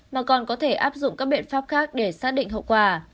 mà còn có thể áp dụng các biện pháp khác để xác định hậu quả